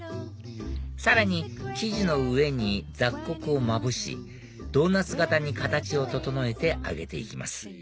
さらに生地の上に雑穀をまぶしドーナツ形に形を整えて揚げて行きます